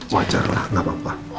wajar lah gak apa apa